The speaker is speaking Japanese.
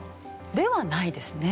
ではないですね。